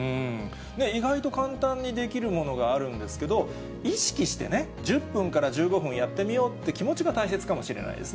意外と簡単にできるものがあるんですけど、意識してね、１０分から１５分やってみようって気持ちが大切かもしれないです